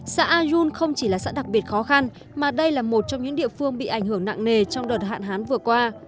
xã ayun không chỉ là xã đặc biệt khó khăn mà đây là một trong những địa phương bị ảnh hưởng nặng nề trong đợt hạn hán vừa qua